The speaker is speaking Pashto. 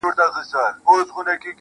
د ځوانيمرگي ښکلا زور، په سړي خوله لگوي,